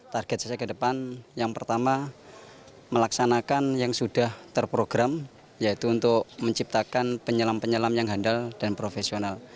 target saya ke depan yang pertama melaksanakan yang sudah terprogram yaitu untuk menciptakan penyelam penyelam yang handal dan profesional